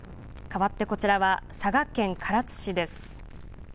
変わってこちらは佐賀県唐津市です。